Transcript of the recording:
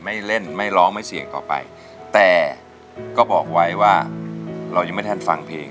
เล่นไม่ร้องไม่เสี่ยงต่อไปแต่ก็บอกไว้ว่าเรายังไม่ทันฟังเพลง